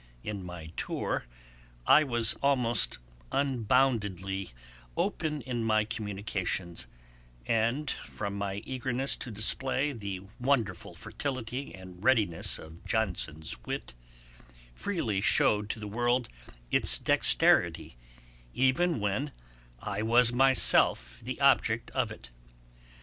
In my Tour, I was almost unboundedly open in my communications, and from my eagerness to display the wonderful fertility and readiness of Johnson's wit, freely shewed to the world its dexterity, even when I was myself the object of it.